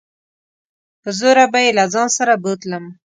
په زوره به يې له ځان سره بوتلم.